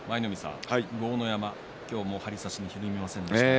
豪ノ山、張り差しにひるみませんでしたね。